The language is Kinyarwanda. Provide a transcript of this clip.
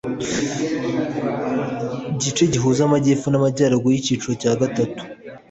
gice gihuza Amajyepfo n Amajyaruguru Icyiciro cya gatatu